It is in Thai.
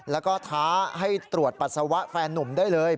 แล้วก็ท้าให้ตรวจปัสสาวะแฟนนุ่มได้เลย